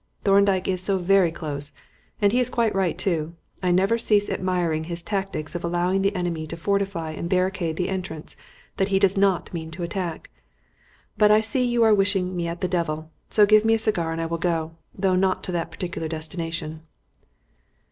Thorndyke is so very close and he is quite right too. I never cease admiring his tactics of allowing the enemy to fortify and barricade the entrance that he does not mean to attack. But I see you are wishing me at the devil, so give me a cigar and I will go though not to that particular destination."